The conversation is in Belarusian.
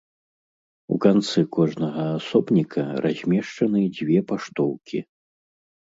У канцы кожнага асобніка размешчаны дзве паштоўкі.